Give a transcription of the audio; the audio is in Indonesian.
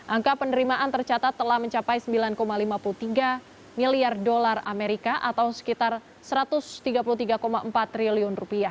angka penerimaan tercatat telah mencapai rp sembilan lima puluh tiga miliar dolar amerika atau sekitar rp satu ratus tiga puluh tiga empat triliun